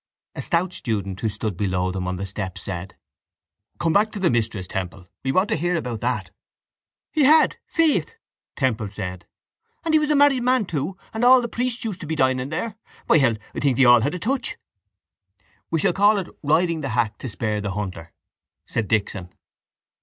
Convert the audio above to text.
A stout student who stood below them on the steps said: —Come back to the mistress, Temple. We want to hear about that. —He had, faith, Temple said. And he was a married man too. And all the priests used to be dining there. By hell, I think they all had a touch. —We shall call it riding a hack to spare the hunter, said Dixon.